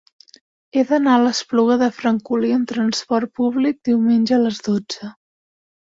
He d'anar a l'Espluga de Francolí amb trasport públic diumenge a les dotze.